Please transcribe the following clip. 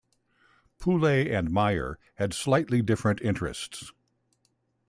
Pulay and Meyer had slightly different interests.